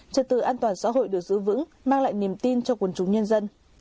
trật tự an toàn xã hội được giữ vững mang lại niềm tin cho quần chúng nhân dân